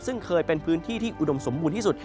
ซึ่งเคยเป็นพื้นที่ที่อุดมสมบูรณ์ที่สุด